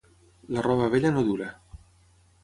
La roba vella no dura.